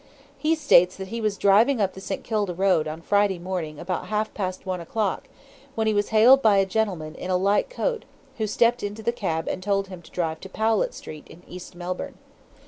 He states that he was driving up the St. Kilda Road on Friday morning about half past one o'clock, when he was hailed by a gentleman in a light coat, who stepped into the cab and told him to drive to Powlett Street, in East Melbourne.